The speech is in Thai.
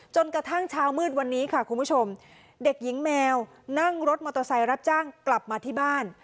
จนกระทั่งเช้ามืดวันนี้ค่ะคุณผู้ชมเด็กหญิงแมวนั่งรถมอเตอร์ไซค์รับจ้างกลับมาที่บ้าน